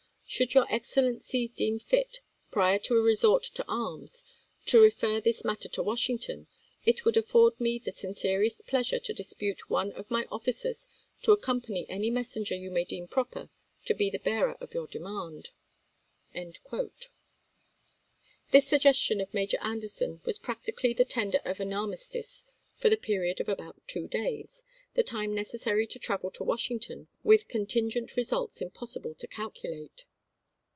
Jan.n,i86i, Should your Excellency deem fit, prior to a resort to "History arras, to refer this matter to Washington, it would afford southern me the sincerest pleasure to depute one of my officers to ^of1}10"'" accompany any messenger you may deem proper to be 253.' the bearer of your demand. This suggestion of Major Anderson was prac tically the tender of an armistice for the period of about two days, the time necessary to travel to Washington, with contingent results impossible to calculate.